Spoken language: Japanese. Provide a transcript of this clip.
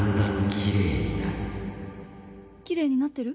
きれいになってる？